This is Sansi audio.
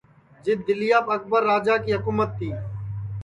جِدؔ دِلیاپ اکبر راجا کی حکُمت تی